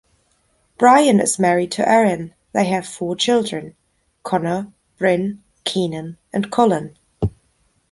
Brian is married to Erin, they have four children: Conor, Brynn, Keenan, and Cullen.